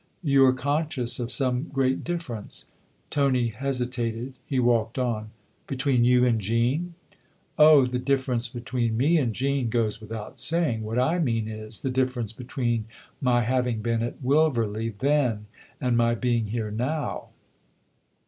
"You're conscious of some great difference." Tony hesitated ; he walked on. " Between you and Jean ?" "Oh, the difference between me and Jean goes THE OTHER HOUSE 149 without saying. What I mean is the difference between my having been at Wilverley then and my being here now."